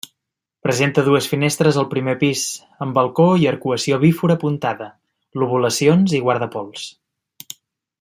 Presenta dues finestres al primer pis, amb balcó i arcuació bífora apuntada, lobulacions i guardapols.